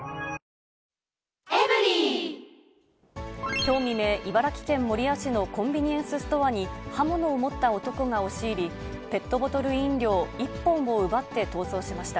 きょう未明、茨城県守谷市のコンビニエンスストアに刃物を持った男が押し入り、ペットボトル飲料１本を奪って逃走しました。